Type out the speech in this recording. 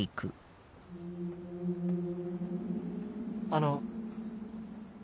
あの。